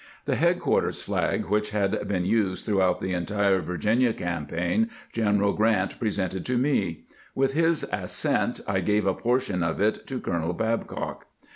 The headquarters flag which had been used throughout the entire Virginia campaign General Grant 488 CAMPAIGNING WITH GRANT presented to me. "With Ms assent, I gave a portion of it to Colonel Babcock.